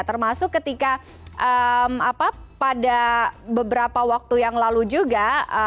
termasuk ketika pada beberapa waktu yang lalu juga